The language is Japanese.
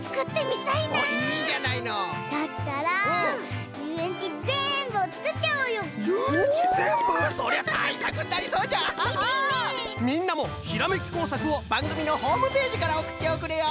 みんなもひらめきこうさくをばんぐみのホームページからおくっておくれよ！